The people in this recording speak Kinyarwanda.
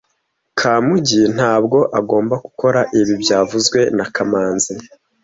Kamugi ntabwo agomba gukora ibi byavuzwe na kamanzi